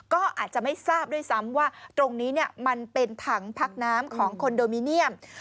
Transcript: ก็อาจจะไม่ทราบด้วยซ้ำว่าตรงนี้มันเป็นถังพักน้ำของคอนโดมิเนียม